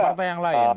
partai yang lain